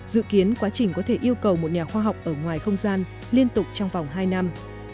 dự kiến quá trình có thể yêu cầu một nhà khoa học ở ngoài không gian liên tục trong vòng hai năm